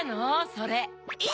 それ。え？